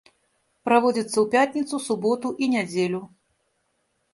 Праводзяцца ў пятніцу, суботу і нядзелю.